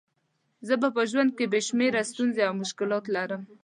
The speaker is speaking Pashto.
زه په ژوند کې بې شمېره ستونزې او مشکلات لرم.